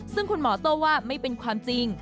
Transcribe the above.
ซึ่งคุณหมอโต้ว่าไม่เป็นความจริง